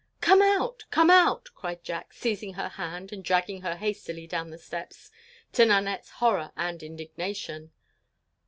"Come out! Come out!" cried Jack, seizing her hand and dragging her hastily down the steps, to Nanette's horror and indignation.